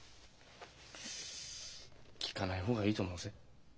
聞かない方がいいと思うぜ。